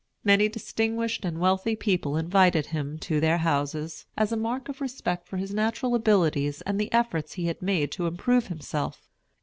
Many distinguished and wealthy people invited him to their houses, as a mark of respect for his natural abilities and the efforts he had made to improve himself.